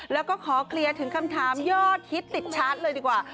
แล้วก็ขอเคลียร์ถึงคำถามยอดฮิตติดชาร์จเลยดีกว่า